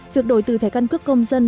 việc đổi từ thẻ căn cước công dân